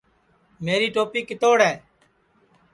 میری توپی کِتوڑ ہے